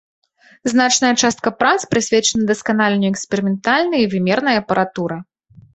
Значная частка прац прысвечана дасканаленню эксперыментальнай і вымернай апаратуры.